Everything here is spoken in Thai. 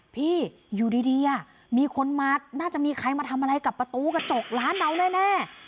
พี่อยู่ดีมีคนมาน่าจะมีใครมาทำอะไรกับประตูกระจกร้านเราแน่